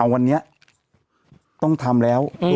วันนี้ต้องทำแล้ว